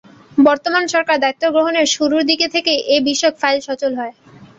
বর্তমান সরকার দায়িত্ব গ্রহণের শুরুর দিক থেকেই এ-বিষয়ক ফাইল সচল হয়।